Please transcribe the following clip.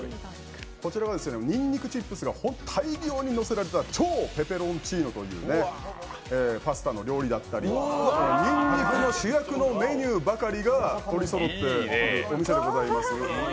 こちらはにんにくチップスが大量にのせられた超ペペロンチーノというパスタの料理だったり、にんにくの主役のメニューばかりが取りそろったお店でございます。